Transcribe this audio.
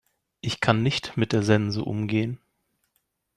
Ich kann nicht mit der Sense umgehen.